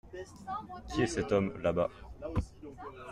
Qui est cet homme, là-bas ?